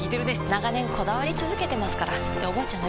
長年こだわり続けてますからっておばあちゃん